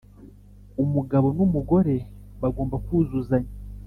umugabo n’umugore bagomba kuzuzanya